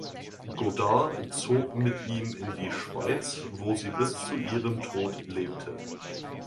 Goddard zog mit ihm in die Schweiz, wo sie bis zu ihrem Tode lebte.